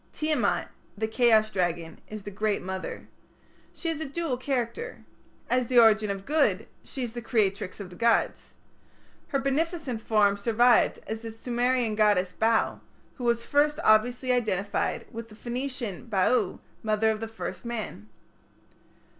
Tiamat, the chaos dragon, is the Great Mother. She has a dual character. As the origin of good she is the creatrix of the gods. Her beneficent form survived as the Sumerian goddess Bau, who was obviously identical with the Phoenician Baau, mother of the first man.